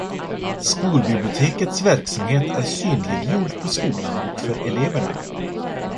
Skolbibliotekets verksamhet är synliggjord på skolan och för eleverna.